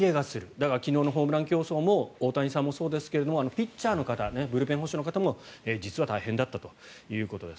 だから昨日のホームラン競争も大谷さんもそうですがピッチャーの方ブルペン捕手の方も実は大変だったということです。